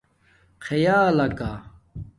خِیالکہ